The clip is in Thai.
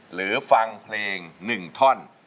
หรือฟังเพลงหนึ่งท่อน